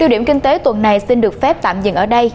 điều điểm kinh tế tuần này xin được phép tạm dừng ở đây